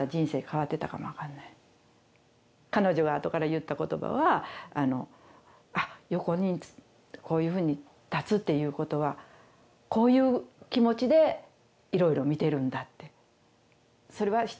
彼女があとから言った言葉は横にこういうふうに立つっていう事はこういう気持ちで色々見てるんだって。